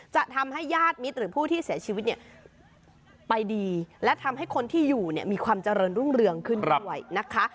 จะทำให้ญาติมิตรหรือผู้ที่เสียชีวิตเนี่ยไปดีและทำให้คนที่อยู่เนี่ยมีความเจริญรุ่งเรืองขึ้นด้วยนะคะ